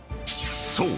［そう。